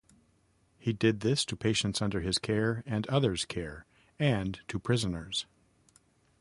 He did this to patients under his care or others' care, and to prisoners.